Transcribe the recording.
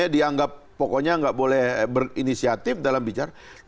dianggap pokoknya nggak boleh berinisiatif dalam bicara